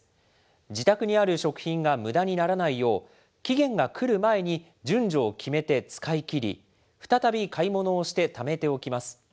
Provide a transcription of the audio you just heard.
自宅にある食品がむだにならないよう、期限が来る前に、順序を決めて使い切り、再び買い物をしてためておきます。